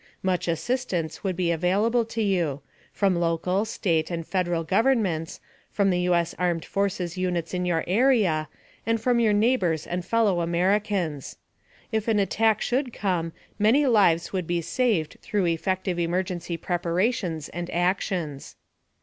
Much assistance would be available to you from local, State and Federal governments, from the U.S. armed forces units in your area, and from your neighbors and fellow Americans. If an attack should come, many lives would be saved through effective emergency preparations and actions.